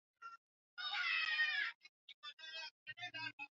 Lakini baadhi ya Wana wa Israeli walimwasi Mungu wakatoka kuokota Maana hadi siku ya